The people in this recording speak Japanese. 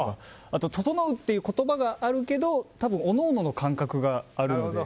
あと、整うっていう言葉があるけど多分、おのおのの感覚があるので。